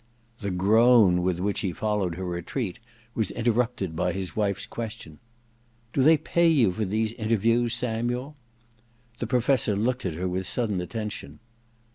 The groan with which he followed her retreat was interrupted by his wife's question :* Do they pay you for these interviews, Samuel ?' The Professor looked at her with sudden attention.